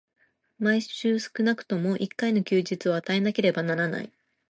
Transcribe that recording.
毎週少くとも一回の休日を与えなければならない。